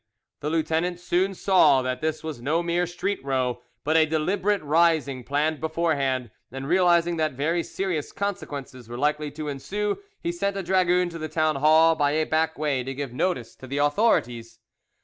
The lieutenant soon saw that this was no mere street row, but a deliberate rising planned beforehand, and realising that very serious consequences were likely to ensue, he sent a dragoon to the town hall by a back way to give notice to the authorities.